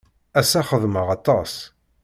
Ass-a, xedmeɣ aṭas.